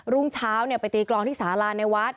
รุ่งเช้าไปตีกลองที่สาราในวัด